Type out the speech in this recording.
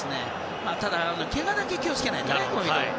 ただ、けがだけは気を付けないとね。